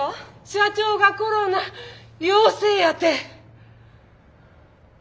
社長がコロナ陽性やて。